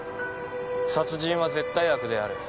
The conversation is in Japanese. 殺人は絶対悪である。